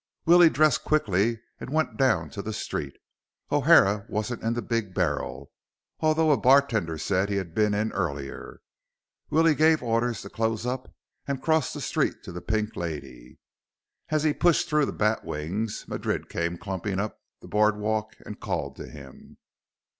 Willie dressed quickly and went down to the street. O'Hara wasn't in the Big Barrel, although a bartender said he had been in earlier. Willie gave orders to close up and crossed the street to the Pink Lady. As he pushed through the batwings, Madrid came clumping up the boardwalk and called to him.